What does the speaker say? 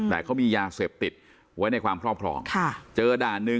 แต่เขามียาเสพติดไว้ในความพรอบพร้อม